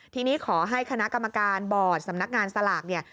ทีนี้ขอให้คณะกรรมการบอร์ดสำนักงานสลากเนี่ย